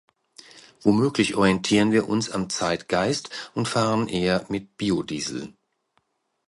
Womöglich orientieren wir uns am Zeitgeist und fahren eher mit Biodiesel.